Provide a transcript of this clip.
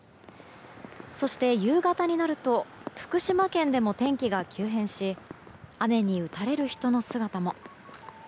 そして、夕方になると福島県でも天気が急変し雨に打たれる人の姿も。